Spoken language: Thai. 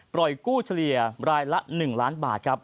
ปล่อยกู้เฉลี่ยรายละ๑ล้านบาท